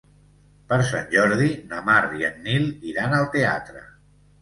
Per Sant Jordi na Mar i en Nil iran al teatre.